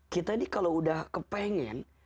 kita ini kalau sudah kepengen